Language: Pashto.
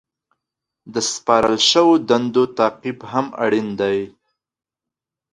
د سپارل شوو دندو تعقیب هم اړین دی.